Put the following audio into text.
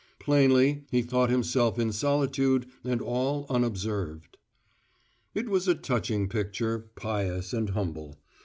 Plainly, he thought himself in solitude and all unobserved. It was a touching picture, pious and humble.